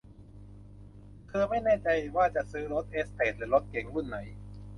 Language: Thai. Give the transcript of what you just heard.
เธอไม่แน่ใจว่าจะซื้อรถเอสเตทหรือรถเก๋งรุ่นไหน